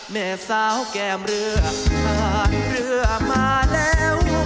แม่สาวแก้มเรือผ่านเรือมาแล้ว